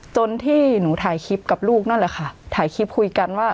จนที่หนูถ่ายคลิปกับลูกนั่นแหละค่ะถ่ายคลิปคุยกันว่า